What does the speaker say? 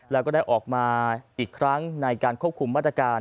แล้วก็ได้ออกมาอีกครั้งในการควบคุมมาตรการ